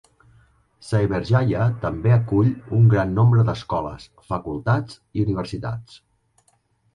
Cyberjaya també acull un gran nombre d'escoles, facultats i universitats.